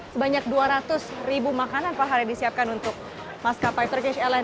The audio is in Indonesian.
sebanyak dua ratus makanan per hari disiapkan untuk maskapai turkish airlines